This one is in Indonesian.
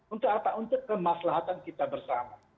untuk apa untuk kemaslahatan kita bersama